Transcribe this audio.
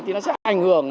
thì nó sẽ ảnh hưởng